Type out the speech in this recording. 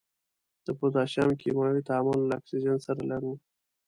د پوتاشیم کیمیاوي تعامل له اکسیجن سره لرو.